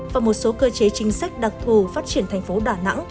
và một số cơ chế chính sách đặc thù phát triển thành phố đà nẵng